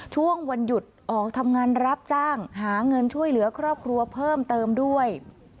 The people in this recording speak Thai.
ช่วงวันหยุดออกทำงานรับจ้างหาเงินช่วยเหลือครอบครัวเพิ่มเติมด้วย